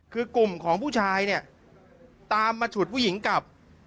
คือกลุ่มของผู้ชายเนี่ยตามมาฉุดผู้หญิงกลับ